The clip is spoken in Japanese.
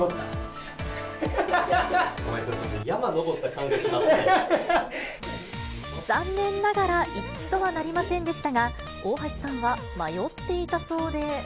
お前、それ、残念ながら一致とはなりませんでしたが、大橋さんは迷っていたそうで。